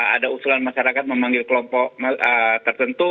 ada usulan masyarakat memanggil kelompok tertentu